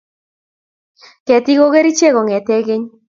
Ketik go gerichek kongete keny